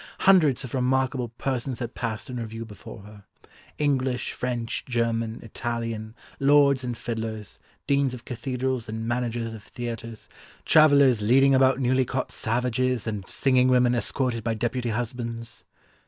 Hundreds of remarkable persons had passed in review before her, English, French, German, Italian, lords and fiddlers, deans of cathedrals and managers of theatres, travellers leading about newly caught savages, and singing women escorted by deputy husbands."